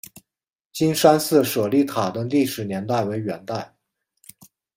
金山寺舍利塔的历史年代为元代。